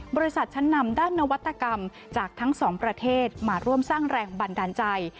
บริษัทชั้นนำด้านนวัตกรรมจากทั้งสองประเทศมาร่วมสร้างแรงบันดาลใจ